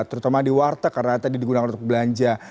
terutama di warteg karena tadi digunakan untuk belanja